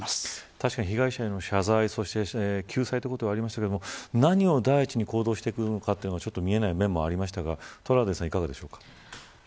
確かに被害者への謝罪、そして救済という言葉がありましたが何を第一に行動していくのかというのが見えない面もありましたが、トラウデンさんいかがでしょうか。